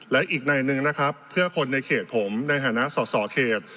และอีกในหนึ่งนะครับเพื่อคนในเขตผมในฐานะสอสอเขต